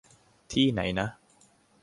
ที่ไหนนะ ?